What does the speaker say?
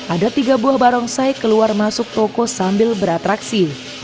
ada tiga buah barongsai keluar masuk toko sambil beratraksi